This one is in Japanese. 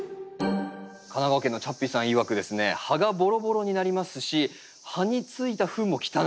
神奈川県のチャッピーさんいわくですね「葉がボロボロになりますし葉についたふんも汚らしい。